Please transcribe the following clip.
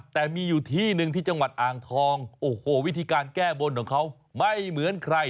แต่มีอยู่ที่หนึ่งที่จังหวัดอ่างทองโอ้โหวิธีการแก้บนของเขาไม่เหมือนใคร